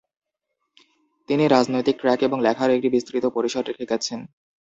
তিনি রাজনৈতিক ট্র্যাক এবং লেখার একটি বিস্তৃত পরিসর রেখে গেছেন।